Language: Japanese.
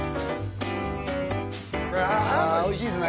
ああおいしいですね